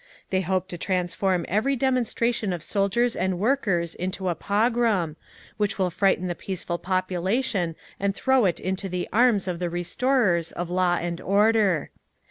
They hope to transform every demonstration of soldiers and workers into a pogrom, which will frighten the peaceful population and throw it into the arms of the Restorers of Law and Order.